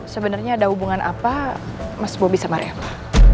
sebenernya ada hubungan apa mas bobby sama reva